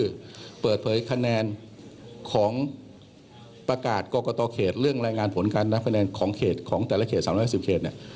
คือเปิดเผยคะแนนของประกาศกรกตเขตเรื่องรายงานผลการนับคะแนนของเขตของแต่ละเขต๓๕๐เขตเนี่ย